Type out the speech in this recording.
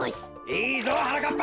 いいぞはなかっぱ！